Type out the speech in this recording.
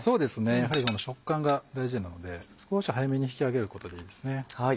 やはりこの食感が大事なので少し早めに引き上げることでいいですね。